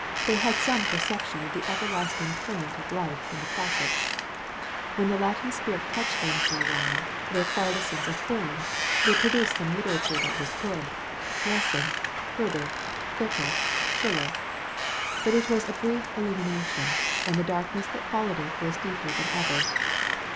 They had some percep* tion of the everlasting current of life in the classics* When the Latin spirit touched them for a while, they acquired a sense of form, they produced some literature that was good — Lessing, HerdCT, Goethe, Schiller. But it was a brief illumination, and the darkness that followed it was deeper than ever.